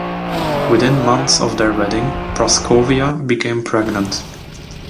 Within months of their wedding Praskovia became pregnant.